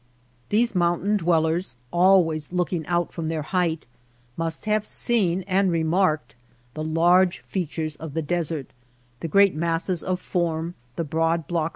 These mountain dwellers, always looking out from their height, must have seen and re marked the large features of the desert — the great masses of form, the broad blocks of color.